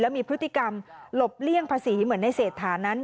มีพฤติกรรมหลบเลี่ยงภาษีเหมือนในเศรษฐานั้น